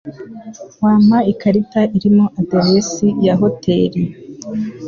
Wampa ikarita irimo aderesi ya hoteri?